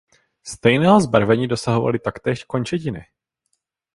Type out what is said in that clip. Stejného zbarvení dosahovaly taktéž končetiny.